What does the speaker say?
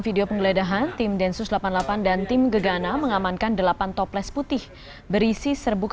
video penggeledahan tim densus delapan puluh delapan dan tim gegana mengamankan delapan toples putih berisi serbuk